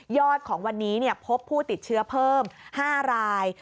อดของวันนี้พบผู้ติดเชื้อเพิ่ม๕ราย